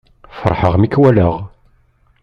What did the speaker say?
Feṛḥeɣ mi k-wallaɣ